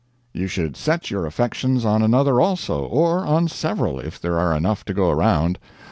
You should set your affections on another also or on several, if there are enough to go round.